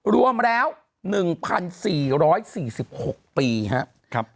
รวมแล้ว๑๔๔๖ปีครับ